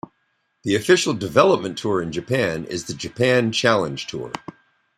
The official development tour in Japan is the Japan Challenge Tour.